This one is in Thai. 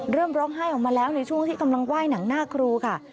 เริ่มร้องไห้ออกมาแล้วในช่วงที่กำลังไหว้หนังหน้าครูค่ะ